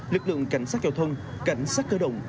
lực lượng cảnh sát giao thông cảnh sát cửa đồng